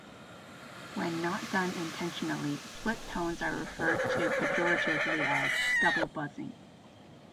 When not done intentionally, split tones are referred to pejoratively as "double buzzing".